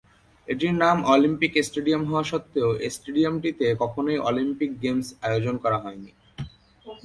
এটির নাম Olympic stadium হওয়া সত্ত্বেও, স্টেডিয়ামটিতে কখনোই অলিম্পিক গেমস আয়োজন করা হয়নি।